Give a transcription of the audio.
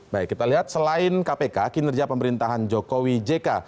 baik kita lihat selain kpk kinerja pemerintahan jokowi jk